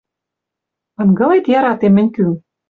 Ынгылет, яратем мӹнь кӱм: